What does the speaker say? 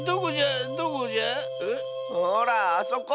ほらあそこ。